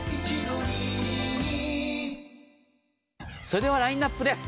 それではラインナップです。